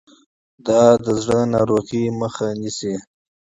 دا د زړه ناروغۍ مخه نیسي.